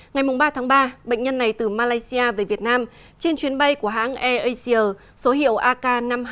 ngày ba tháng ba bệnh nhân này từ malaysia về việt nam trên chuyến bay của hãng airasia số hiệu ak năm trăm hai mươi